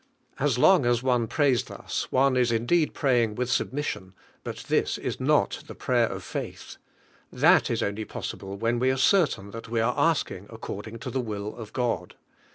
As long as one pi ays thus, nivrh'E UF.AT.1N0, one is indeed praying with submission, but this Is 1 1 1 > t (he prayer of faith. That is only possible when we are certain that we are asking according to the will of God.